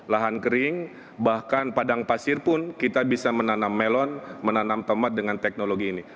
lahan kering bahkan padang pasir pun kita bisa menanam melon menanam tomat dengan teknologi ini